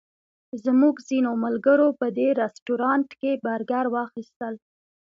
زموږ ځینو ملګرو په دې رسټورانټ کې برګر واخیستل.